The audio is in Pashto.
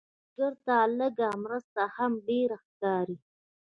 سوالګر ته لږ مرسته هم ډېره ښکاري